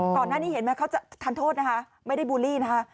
ก่อนหน้านี้เห็นไหมเขาจะทานโทษนะคะไม่ได้บูลลี่นะคะ